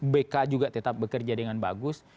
bk juga tetap bekerja dengan bagus